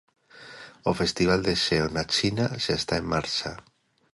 O festival de xeo na China xa está en marcha.